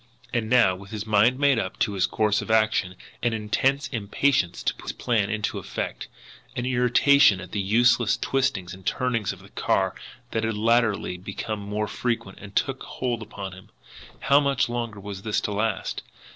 And now, with his mind made up to his course of action, an intense impatience to put his plan into effect, an irritation at the useless twistings and turnings of the car that had latterly become more frequent, took hold upon him. How much longer was this to last!